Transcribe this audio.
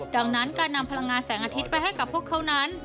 ดังนั้นการนำพลังงานแสงอาทิตย์ไปให้กับพวกเขานั้น